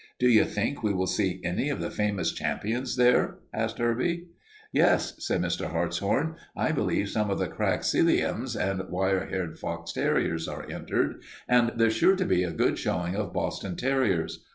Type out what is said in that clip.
"Do you think we will see any of the famous champions there?" asked Herbie. "Yes," said Mr. Hartshorn, "I believe some of the crack Sealyhams and wire haired fox terriers are entered, and there's sure to be a good showing of Boston terriers.